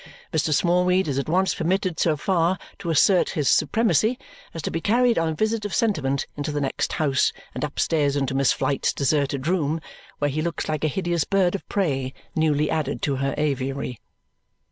Mr. Smallweed is at once permitted so far to assert his supremacy as to be carried on a visit of sentiment into the next house and upstairs into Miss Flite's deserted room, where he looks like a hideous bird of prey newly added to her aviary.